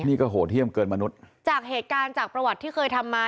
นี่ก็โหดเยี่ยมเกินมนุษย์จากเหตุการณ์จากประวัติที่เคยทำมา